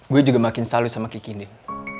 gue juga makin salu sama kiki nih